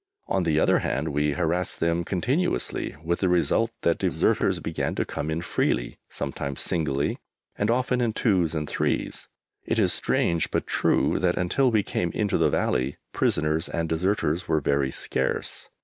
On the other hand we harassed them continuously, with the result that deserters began to come in freely, sometimes singly, and often in twos and threes. It is strange, but true, that until we came into the valley, prisoners and deserters were very scarce.